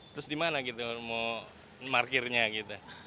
terus di mana gitu mau markirnya gitu